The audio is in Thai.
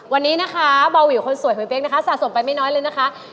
วันนี้นะคะเบาวิวคนสวยของเป๊กนะคะสะสมไปไม่น้อยเลยนะคะ